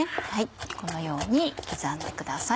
このように刻んでください。